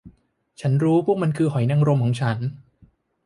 ฉันรู้พวกมันคือหอยนางรมของฉัน